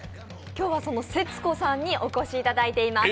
今日は、その、せつこさんにお越しいただいています。